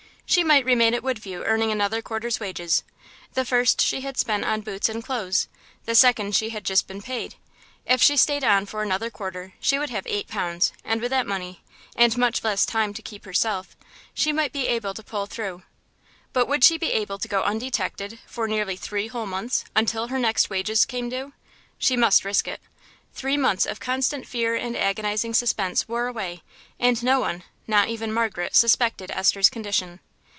She might remain at Woodview earning another quarter's wages; the first she had spent on boots and clothes, the second she had just been paid. If she stayed on for another quarter she would have eight pounds, and with that money, and much less time to keep herself, she might be able to pull through. But would she be able to go undetected for nearly three whole months, until her next wages came due? She must risk it. Three months of constant fear and agonising suspense wore away, and no one, not even Margaret, suspected Esther's condition.